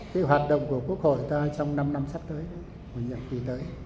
cái hoạt động của quốc hội ta trong năm năm sắp tới một nhậm kỳ tới